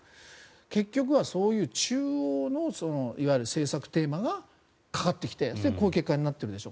結局はそういう中央のいわゆる政策テーマがかかってきてそれでこういう結果になってるでしょ。